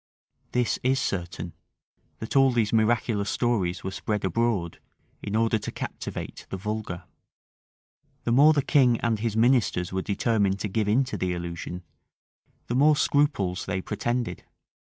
[*] This is certain, that all these miraculous stories were spread abroad, in order to captivate the vulgar. The more the king and his ministers were determined to give into the illusion, the more scruples they pretended.